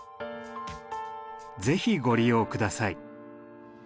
是非ご利用下さい。